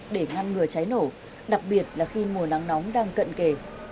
để ngăn ngừa cháy nổ đặc biệt là khi mùa nắng nóng đang cận kề